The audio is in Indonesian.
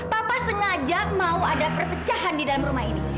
papa sengaja mau ada perpecahan di dalam rumah ini